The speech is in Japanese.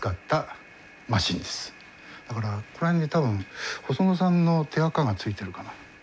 だからここら辺に多分細野さんの手あかが付いてるかな？